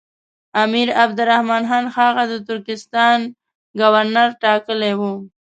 امیر عبدالرحمن خان هغه د ترکستان ګورنر ټاکلی وو.